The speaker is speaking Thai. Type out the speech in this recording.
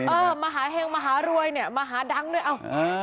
มหาเห็งมหารวยเนี่ยมหาดังด้วยเอ้า